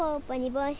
ぼうし。